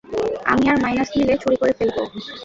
আমি আর মাইনাস মিলে চুরি করে ফেলব।